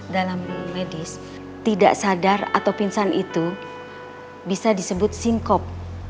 dalam medis tidak sadar atau pingsan itu bisa disebut singkop